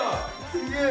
すげえ。